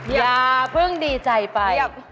อย่าเพิ่งดีใจไป